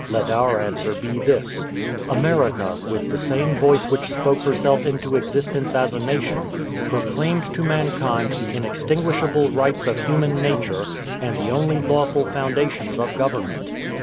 let our answer be this: America, with the same voice which spoke herself into existence as a nation, proclaimed to mankind the inextinguishable rights of human nature, and the only lawful foundations of government.